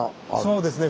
そうですね